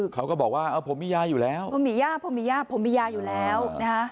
เขาก็บอกว่าผมมียาอยู่แล้วผมมีย่าผมมีย่าผมมียาอยู่แล้วนะฮะ